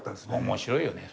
面白いよね。